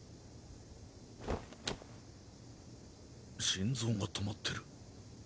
心臓が止まってる。